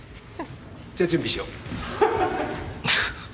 じゃ、準備しよう！